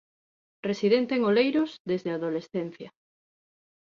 Residente en Oleiros desde a adolescencia.